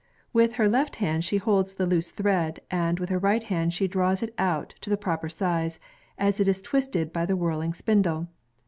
With her left hand she holds the loose thread, and with her right hand she draws it out to the proper size, as it is twisted by the whirhng spindle.